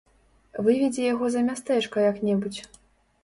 Выведзі яго за мястэчка як-небудзь.